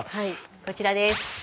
こちらです。